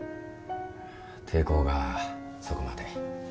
抵抗がそこまで？